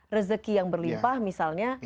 rezeki yang berlimpah misalnya